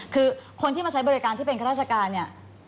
คือคนที่มาใช้บริการที่เป็นข้าราชการเนี่ย